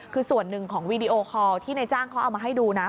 คือส่วนหนึ่งของวีดีโอคอลที่ในจ้างเขาเอามาให้ดูนะ